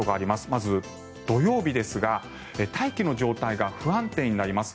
まず、土曜日ですが大気の状態が不安定になります。